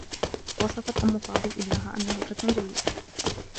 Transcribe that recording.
وصفت أمّ فاضل ابنها أنّه فتى جيّد.